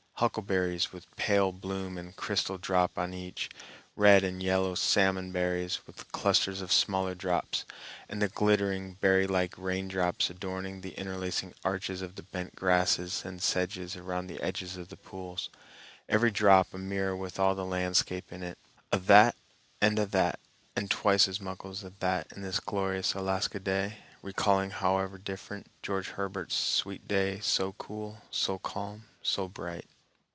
—huckleberries with pale bloom and a crystal drop on each; red and yellow salmon berries, with clusters of smaller drops; and the glittering, berry like raindrops adorning the interlacing arches of bent grasses and sedges around the edges of the pools, every drop a mirror with all the landscape in it. A' that and a' that and twice as muckle's a' that in this glorious Alaska day, recalling, however different, George Herbert's "Sweet day, so cool, so calm, so bright."